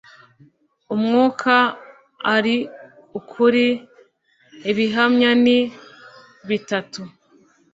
Umwuka ari ukuri. Ibihamya ni bitatu,